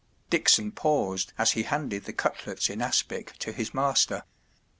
Dickson paused as he handed the cutlets in aspic to his master.